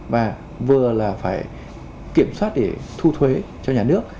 và vừa là phải kiểm soát để thu thuế cho nhà nước